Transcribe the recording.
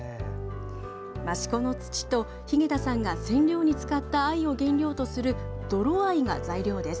益子の土と日下田さんが染料に使った藍を原料とする泥藍が材料です。